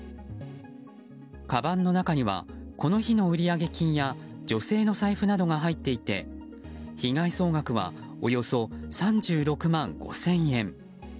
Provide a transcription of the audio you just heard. かばんの中にはこの日の売上金や女性の財布などが入っていて被害総額はおよそ３６万５０００円。